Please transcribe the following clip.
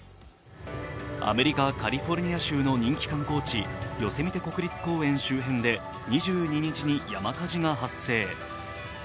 アメリカ・カリフォルニア州の人気観光地・ヨセミテ国立公園周辺で２２日に山火事が発生。